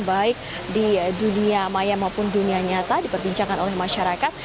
baik di dunia maya maupun dunia nyata diperbincangkan oleh masyarakat